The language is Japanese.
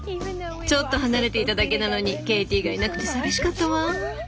ちょっと離れていただけなのにケイティがいなくて寂しかったわ。